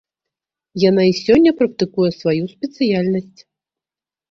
Яна і сёння практыкуе сваю спецыяльнасць.